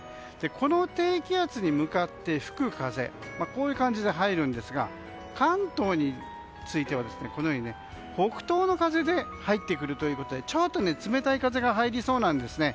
この低気圧に向かって吹く風はこういう感じで入るんですが関東については北東の風で入ってくるということでちょっと冷たい風が入りそうなんですね。